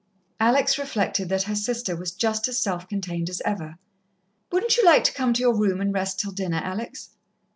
Alex reflected that her sister was just as self contained as ever. "Wouldn't you like to come to your room and rest till dinner, Alex?"